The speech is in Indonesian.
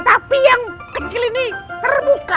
tapi yang kecil ini terbuka